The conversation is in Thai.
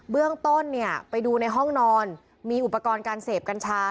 เบื้องต้นเนี่ยไปดูในห้องนอนมีอุปกรณ์การเสพกัญชา